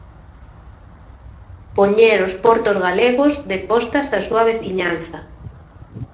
'Poñer os portos galegos de costas á súa veciñanza'.